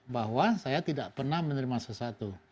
bahwa saya tidak pernah menerima sesuatu